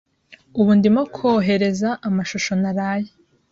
Ubu ndimo kohereza amashusho naraye.